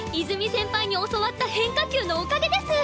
先輩に教わった変化球のおかげです！